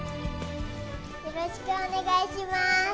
よろしくお願いします。